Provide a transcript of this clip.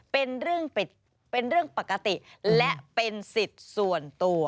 เป็นเรื่องปกติและเป็นสิทธิ์ส่วนตัว